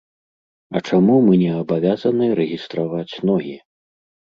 А чаму мы не абавязаны рэгістраваць ногі?